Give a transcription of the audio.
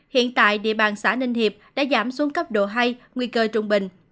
hiện tại địa bàn xã ninh hiệp đã giảm xuống cấp độ hai nguy cơ trung bình